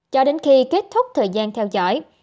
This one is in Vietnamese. cho đến khi kết thúc thời gian theo dõi